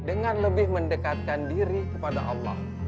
dengan lebih mendekatkan diri kepada allah